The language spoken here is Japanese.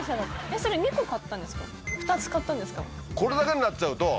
それ２つ買ったんですか？